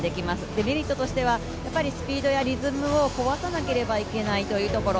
デメリットとしてはスピードやリズムを壊さなければいけないというところ。